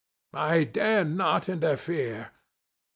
I dare not in terfere.